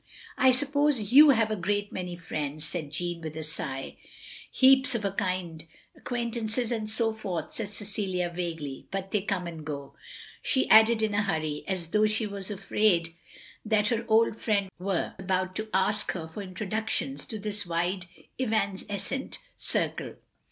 "I suppose you have a great many friends," said Jeanne, with a sigh. "Heaps — of a kind — ^acquaintances and so forth," said Cecilia vaguely. "But they come and go —" she added in a hurry, as though she were afraid that her old friend was about to ask her for introductions to this wide evanescent circle.